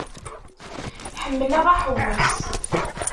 Ḥemmleɣ aḥewwes.